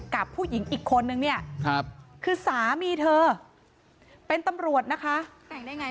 กับผู้หญิงอีกคนนึงนี่คือสามีเธอเป็นตำรวจนะคะ